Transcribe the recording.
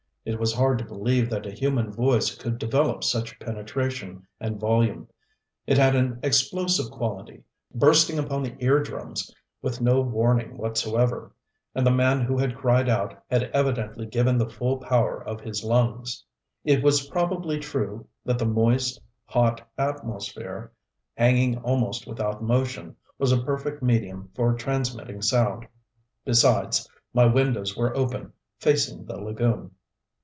It was hard to believe that a human voice could develop such penetration and volume. It had an explosive quality, bursting upon the eardrums with no warning whatsoever, and the man who had cried out had evidently given the full power of his lungs. It was probably true that the moist, hot atmosphere, hanging almost without motion, was a perfect medium for transmitting sound. Besides, my windows were open, facing the lagoon.